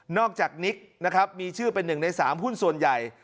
นอกจากนิกนะครับมีชื่อเป็นหนึ่งในสามหุ้นส่วนใหญ่